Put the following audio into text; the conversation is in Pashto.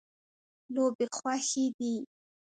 لوبې خوښې دي.